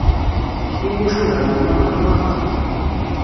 Timucuha n umaḍal merra.